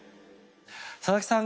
佐々木さん